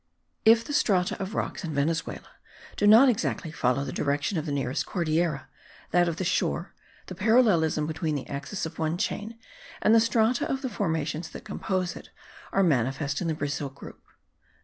If the strata of rocks in Venezuela do not exactly follow the direction of the nearest Cordillera, that of the shore, the parallelism between the axis of one chain, and the strata of the formations that compose it, are manifest in the Brazil group.